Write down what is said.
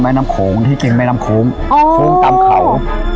ไหว้น้ำงโคมที่กลิ่นไหว้น้ำโคมโอ้ครงตามเข่า